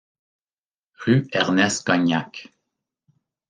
Rue Ernest Cognacq.